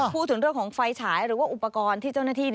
พูดถึงเรื่องของไฟฉายหรือว่าอุปกรณ์ที่เจ้าหน้าที่